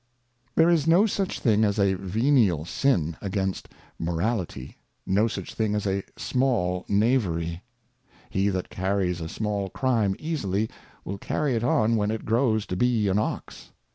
There is no such thing as a venial Sin against Morality, no such thing as a small Knavery : He that carries a small Crime easily, will carry it on when it grows to be an Ox.